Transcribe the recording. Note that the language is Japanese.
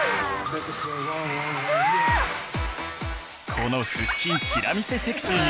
この腹筋チラ見せセクシーに